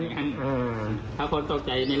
จะคิดเต็ม